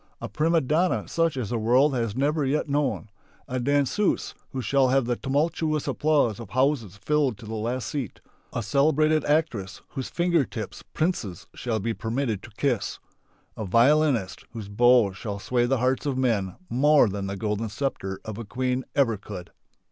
A prima donna such as the world has never yet known; a danseuse, who shall have the tumultuous applause of houses filled to the last seat; a celebrated actress whose finger tips princes shall be permitted to kiss; a violinist whose bow shall sway the hearts of men more than the golden sceptre of a queen ever could.